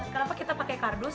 kenapa kita pakai kardus